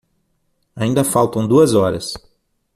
Ainda faltam duas horas